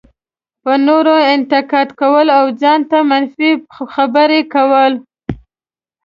په نورو انتقاد کول او ځان ته منفي خبرې کول.